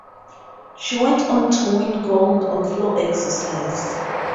She went on to win gold on floor exercise.